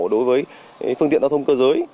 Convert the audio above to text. đối với phương tiện giao thông cơ giới